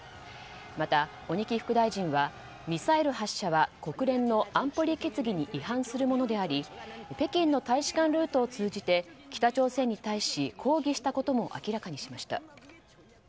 また、鬼木副大臣はミサイル発射は国連の安保理決議に違反するものであり北京の大使館ルートを通じて北朝鮮に対し抗議したことも明らかにしました。